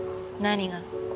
何が？